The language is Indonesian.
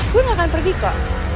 gue gak akan pergi kok